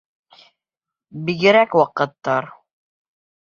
Бигерәк ваҡыт тар!..